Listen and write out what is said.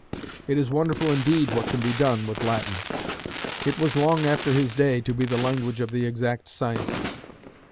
It is wonderful indeed what can be done with Latin. It was long after his day to be the language of the exact sciences.